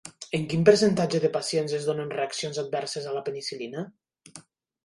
En quin percentatge de pacients es donen reaccions adverses a la penicil·lina?